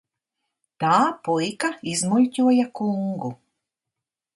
Tā puika izmuļķoja kungu.